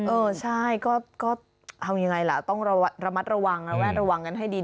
เออใช่ก็เอายังไงล่ะต้องระมัดระวังระแวดระวังกันให้ดี